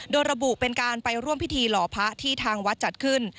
โดยระบุเป็นการไปร่วมพิธีหล่อพระที่ทางวัดจัดขึ้น